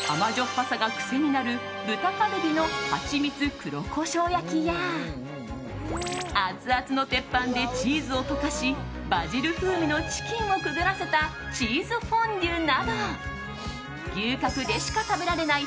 ぱさが癖になる豚カルビのはちみつ黒胡椒焼きやアツアツの鉄板でチーズを溶かしバジル風味のチキンをくぐらせたチーズフォンデュなど牛角でしか食べられない